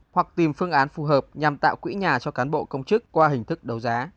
hoặc tìm phương án phù hợp nhằm tạo quỹ nhà cho cán bộ công chức qua hình thức đấu giá